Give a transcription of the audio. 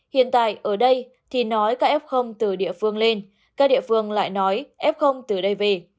hiện tại ở đây thì nói các f từ địa phương lên các địa phương lại nói f từ đây về